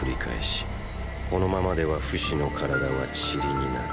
このままではフシの体は塵になる。